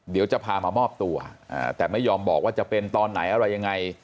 เดี๋ยวจะพามามอบตัวแต่ไม่ยอมบอกว่าจะเป็นตอนไหนอะไรยังไง